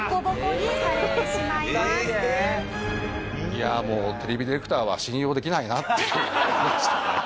いやもうテレビディレクターは信用できないなって思いましたね。